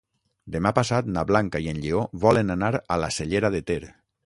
Demà passat na Blanca i en Lleó volen anar a la Cellera de Ter.